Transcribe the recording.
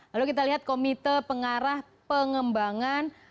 lalu kita lihat komite pengarah pengembangan